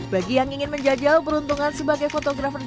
bagi yang ingin menjajal peruntungan sebagai fotografer